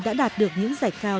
đã đạt được những giải cao